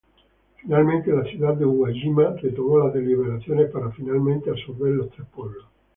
Finalmente la Ciudad de Uwajima retomó las deliberaciones para finalmente absorber los tres pueblos.